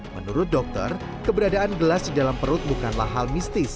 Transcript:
menurut dokter keberadaan gelas di dalam perut bukanlah hal mistis